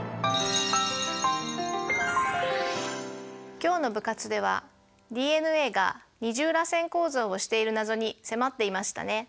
今日の部活ではＤＮＡが二重らせん構造をしている謎に迫っていましたね。